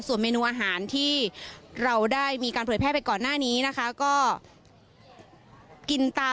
ส่วนเมนูอาหารที่เราได้มีการเผยแพร่ไปก่อนหน้านี้นะคะก็กินตา